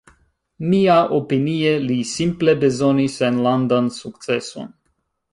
Miaopinie li simple bezonis enlandan sukceson.